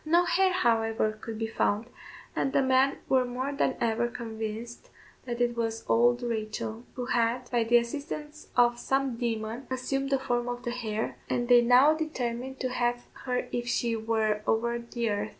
No hare, however, could be found, and the men were more than ever convinced that it was old Rachel, who had, by the assistance of some demon, assumed the form of the hare, and they now determined to have her if she were over the earth.